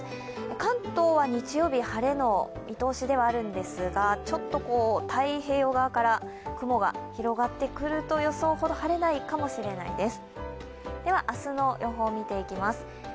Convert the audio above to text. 関東は日曜日、晴れの見通しではあるんですが、ちょっと太平洋側から雲が広がってくると予想ほど晴れないかもしれないです。